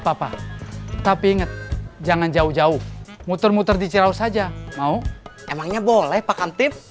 papa tapi inget jangan jauh jauh muter muter di ciraus aja mau emangnya boleh pakam tip